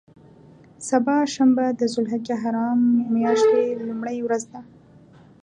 سبا شنبه د ذوالحجة الحرام میاشتې لومړۍ ورځ ده.